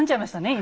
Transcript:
今。